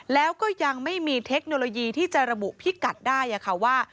แล้วก็ยังไม่มีเทคโนโลยีที่จะระบุพิกัดได้ค่ะว่า